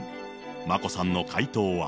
眞子さんの回答は。